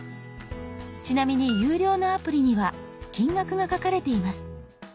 ちなみに有料のアプリには金額が書かれています。